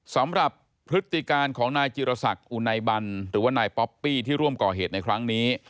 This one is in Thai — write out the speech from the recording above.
สำหรับพฤติการของนายจิรษักอุไนบันหรือว่านายป๊อปปี้ที่ร่วมก่อเหตุในครั้งนี้